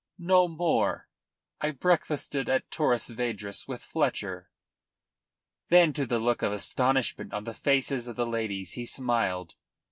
No more. I breakfasted at Torres Vedras with Fletcher." Then to the look of astonishment on the faces of the ladies he smiled.